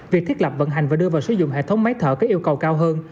việc thiết lập vận hành và đưa vào sử dụng hệ thống máy thở có yêu cầu cao hơn